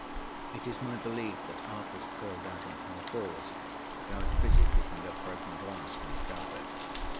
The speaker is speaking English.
It is my belief that Arthurs crawled out on all fours, but I was busy picking up broken glass from the carpet.